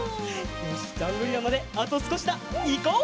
よしジャングリラまであとすこしだいこう！